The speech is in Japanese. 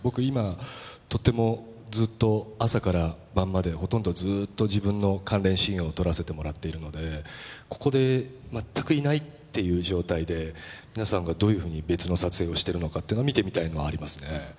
今とてもずっと朝から晩までほとんどずっと自分の関連シーンを撮らせてもらっているのでここで全くいないっていう状態で皆さんがどういうふうに別の撮影をしてるのかってのは見てみたいのありますね